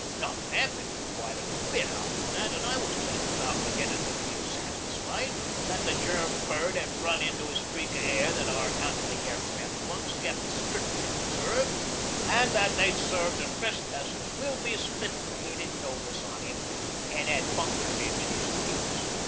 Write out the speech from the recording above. Nothin' happened for quite a bit after that, an' I was just about beginnin' to feel satisfied that the Germ bird 'ad run into a streak o' air that our anti aircraft guns kept strickly preserved an' that they'd served a Trespassers will be Spiflicated notice on 'im an' had punctured him an' his wings.